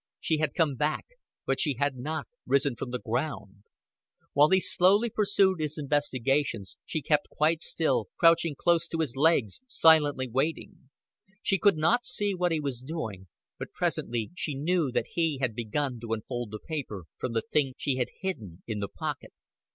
She had come back, but she had not risen from the ground; while he slowly pursued his investigations she kept quite still, crouching close to his legs, silently waiting. She could not see what he was doing, but presently she knew that he had begun to unfold the paper from the things she had hidden in the pocket.